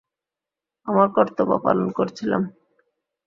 আমার কর্তব্য পালন করছিলাম।